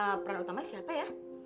eh peran utamanya siapa ya